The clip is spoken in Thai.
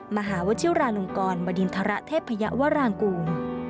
มหาวจิรานุงกรบดินทระเทพพยวรรค์กลุ่ม